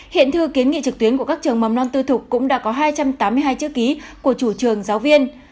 hiện thư kiến nghị trực tuyến của các trường mầm non tư thục cũng đã có hai trăm tám mươi hai chữ ký của chủ trường giáo viên